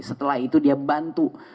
setelah itu dia bantu